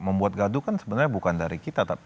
membuat gaduh kan sebenarnya bukan dari kita